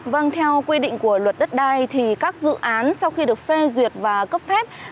vâng theo quy định của luật đất đai thì các dự án sau khi được phê duyệt và cấp phép